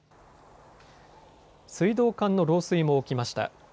水道管の漏水も起きました。